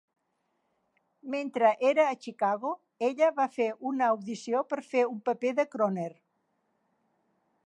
Mentre era a Chicago, ella va fer una audició per fer un paper de crooner.